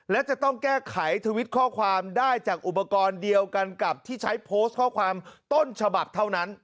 และจะต้องแก้ไขทวิตข้อความได้จากอุปกรณ์เดียวกันกับที่ใช้โพสต์ข้อความต้นฉบับเท่านั้น